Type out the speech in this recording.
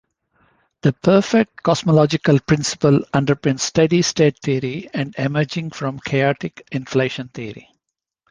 The perfect cosmological principle underpins Steady State theory and emerging from chaotic inflation theory.